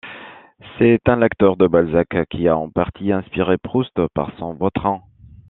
C'est un lecteur de Balzac qui a en partie inspiré Proust par son Vautrin.